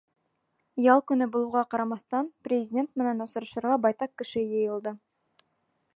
Ял көнө булыуға ҡарамаҫтан, Президент менән осрашырға байтаҡ кеше йыйылды.